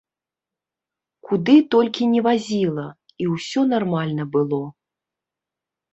Куды толькі не вазіла, і ўсё нармальна было.